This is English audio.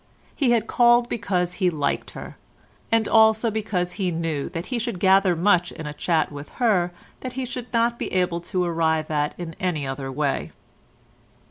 He had called because he liked her, and also because he knew that he should gather much in a chat with her that he should not be able to arrive at in any other way.